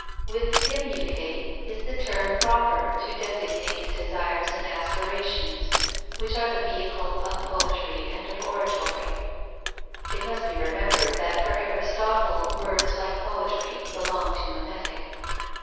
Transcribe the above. With him euchae is the term proper to designate desires and aspirations, which are the vehicle of poetry and of oratory. (It must be remembered that for Aristotle words, like poetry, belonged to mimetic.)